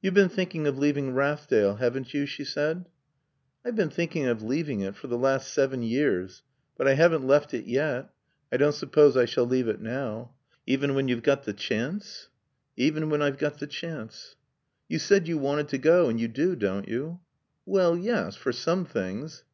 "You've been thinking of leaving Rathdale, haven't you?" she said. "I've been thinking of leaving it for the last seven years. But I haven't left it yet. I don't suppose I shall leave it now." "Even when you've got the chance?" "Even when I've got the chance." "You said you wanted to go, and you do, don't you?" "Well, yes for some things."